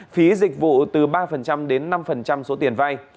phí dịch vụ từ ba đến năm số tiền vay